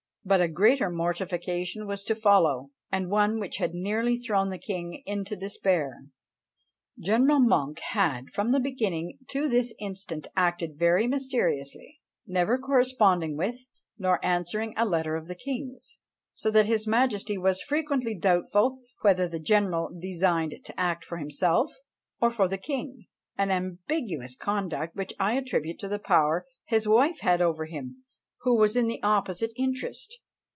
But a greater mortification was to follow, and one which had nearly thrown the king into despair. General Monk had from the beginning to this instant acted very mysteriously, never corresponding with nor answering a letter of the king's, so that his majesty was frequently doubtful whether the general designed to act for himself or for the king: an ambiguous conduct which I attribute to the power his wife had over him, who was in the opposite interest.